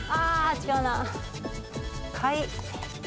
違うな。